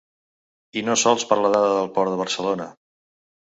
I no sols per la dada del port de Barcelona.